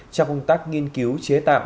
cho công tác nghiên cứu chế tạo